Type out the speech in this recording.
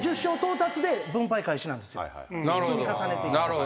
積み重ねていくと。